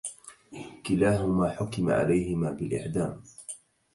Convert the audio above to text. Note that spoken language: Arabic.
كلاهما حُكِم عليهما بالإعدام.